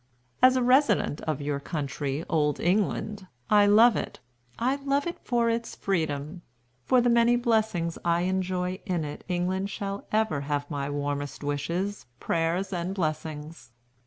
As a resident of your country, Old England, I love it. I love it for its freedom. For the many blessings I enjoy in it England shall ever have my warmest wishes, prayers, and blessings.